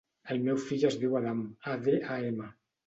El meu fill es diu Adam: a, de, a, ema.